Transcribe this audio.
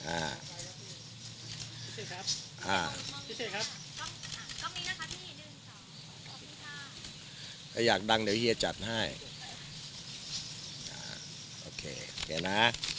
อ่าอ่าอ่าอ่าอยากดังเดี๋ยวเฮียจัดให้อ่าโอเคโอเคนะ